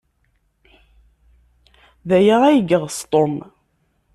D aya ay yeɣs Tom.